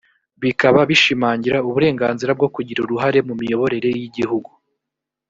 bikaba bishimangira uburenganzira bwo kugira uruhare mu miyoborere y igihugu